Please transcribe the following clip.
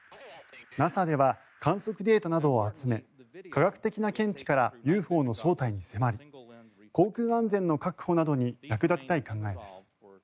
ＮＡＳＡでは観測データなどを集め科学的な見地からＵＦＯの正体に迫り航空安全の確保などに役立てたい考えです。